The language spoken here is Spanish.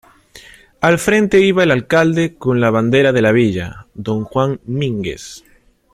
Al frente iba el alcalde con la bandera de la villa, don Juan Mínguez.